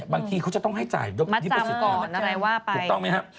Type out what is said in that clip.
บางทีเขาจะต้องให้จ่ายลิปสุดถูกต้องไหมครับ